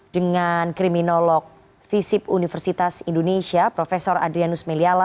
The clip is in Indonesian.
dengan kriminolog visip universitas indonesia prof adrianus meliala